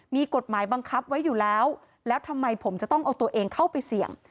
มีกฎหมายบังคับไว้อยู่แล้วแล้วทำไมผมจะต้องเอาตัวเองเข้าไปเสี่ยง